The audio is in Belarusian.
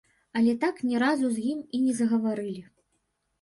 Але так ні разу з ім і не загаварылі.